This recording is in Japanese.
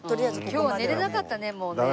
今日は寝られなかったねもうね。